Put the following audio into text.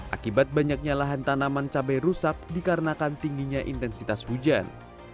akibat banyaknya lahan tanaman cabai rusak dikarenakan tingginya intensitas hujan